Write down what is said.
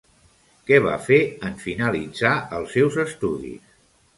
Què va fer en finalitzar els seus estudis?